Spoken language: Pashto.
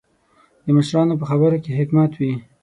د مشرانو په خبرو کې حکمت وي.